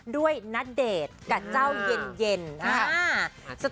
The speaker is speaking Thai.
ด้วยณเดชน์กับเจ้าเย็นนะคะ